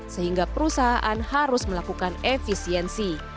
sehingga perusahaan harus melakukan efisiensi